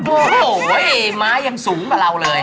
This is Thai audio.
โอ้โหม้ายังสูงกว่าเราเลย